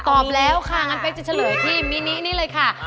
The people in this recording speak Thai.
ตอบแล้วค่ะงั้นเป๊กจะเฉลยที่มินินี่เลยค่ะ